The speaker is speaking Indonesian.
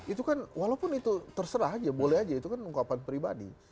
itu kan walaupun itu terserah aja boleh aja itu kan ungkapan pribadi